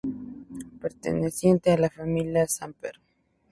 Perteneciente a la familia Samper.